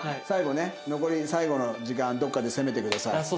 最後ね残り最後の時間どこかで攻めてください。